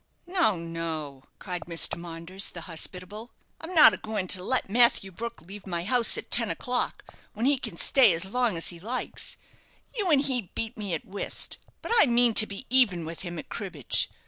"No, no," cried Mr. Maunders, the hospitable; "I'm not a going to let Matthew Brook leave my house at ten o'clock when he can stay as long as he likes. You and he beat me at whist, but I mean to be even with him at cribbage.